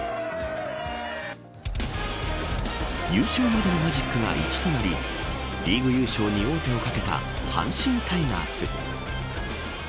優勝までのマジックが１となりリーグ優勝に王手をかけた阪神タイガース。